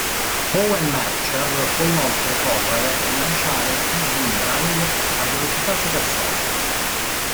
Owen Mercer può inoltre correre e lanciare i boomerang a velocità supersonica.